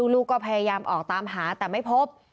ลูกก็พยายามออกตามหาแต่ไม่พบ